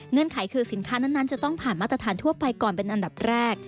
ไขคือสินค้านั้นจะต้องผ่านมาตรฐานทั่วไปก่อนเป็นอันดับแรก